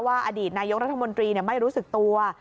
อดีตนายกรัฐมนตรีไม่รู้สึกตัว